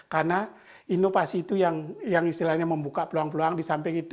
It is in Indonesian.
karena inovasi itu yang istilahnya membuka peluang peluang di samping itu